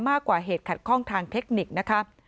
มากกว่าเหตุขัดข้องทางเทคนิคนะคะ